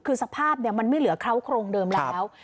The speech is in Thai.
คือสภาพมันไม่เหลือเคราะโครงเดิมแล้ว